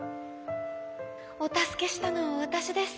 こころのこえ「おたすけしたのはわたしです」。